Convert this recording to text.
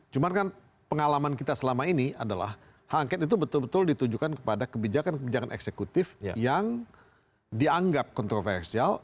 cuman kan pengalaman kita selama ini adalah hak itu betul betul ditujukan kepada kebijakan kebijakan eksekutif yang dianggap kontroversial